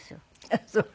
あっそう。